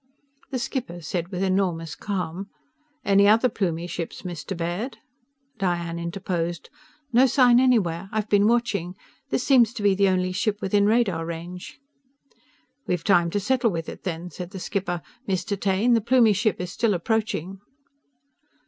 The skipper said with enormous calm: "Any other Plumie ships, Mr. Baird?" Diane interposed. "No sign anywhere. I've been watching. This seems to be the only ship within radar range." "We've time to settle with it, then," said the skipper. "_Mr. Taine, the Plumie ship is still approaching.